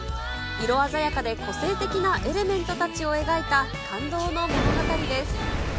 色鮮やかで個性的なエレメントたちを描いた感動の物語です。